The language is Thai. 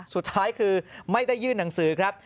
สุดท้ายคือไม่ได้ยื่นหนังสือครับ